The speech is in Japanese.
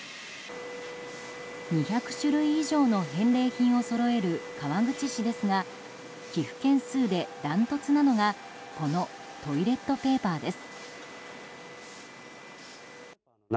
２００種類以上の返礼品をそろえる川口市ですが寄付件数でダントツなのがこのトイレットペーパーです。